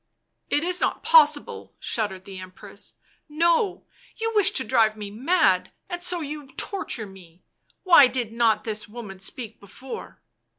" It is not possible," shuddered the Empress ;" no — you wish to drive me mad, and so you torture me — why did not this woman speak before?"